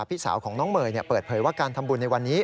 พี่สาวของน้องเมย์เปิดเผยว่าการทำบุญในวันนี้